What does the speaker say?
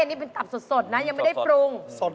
นี่เป็นตับสดนะยังไม่ได้ปรุง